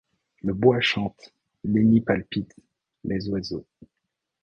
Le bois chante ; les nids palpitent, les oiseaux